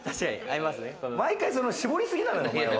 毎回絞りすぎなのよ。